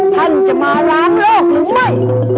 ท่านจะมาล้างโลกหรือไม่